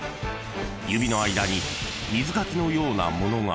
［指の間に水かきのようなものが］